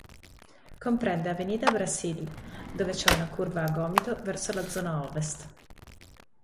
Comprende Avenida Brasil, dove c'è una curva a gomito verso la Zona Ovest.